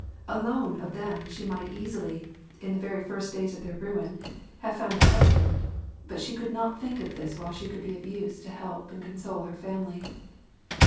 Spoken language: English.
Alone of them she might easily, in the first days of their ruin, have found a husband; but she could not think of this while she could be of use to help and console her family.